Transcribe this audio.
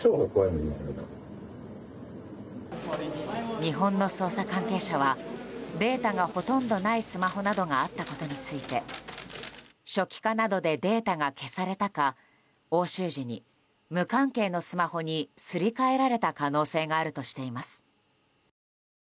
日本の捜査関係者はデータがほとんどないスマホなどがあったことについて初期化などでデータが消されたか押収時に無関係のスマホにすり替えられた可能性があるとしています。